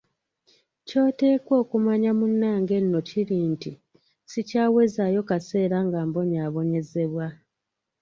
Ky’oteeka okumanya munnange nno kiri nti sikyawezaayo kaseera nga mbonyabonyezebwa.